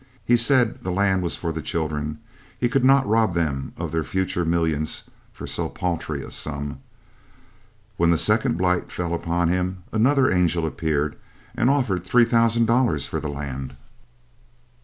He said the land was for the children he could not rob them of their future millions for so paltry a sum. When the second blight fell upon him, another angel appeared and offered $3,000 for the land.